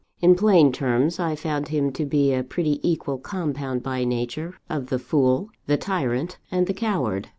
In plain terms, I found him to be a pretty equal compound by nature, of the fool, the tyrant, and the coward.